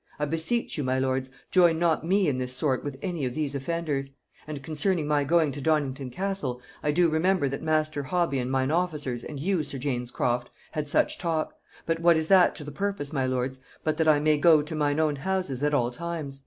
I beseech you, my lords, join not me in this sort with any of these offenders. And concerning my going to Donnington Castle, I do remember that master Hobby and mine officers and you sir James Croft had such talk; but what is that to the purpose, my lords, but that I may go to mine own houses at all times?"